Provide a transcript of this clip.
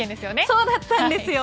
そうだったんですよ。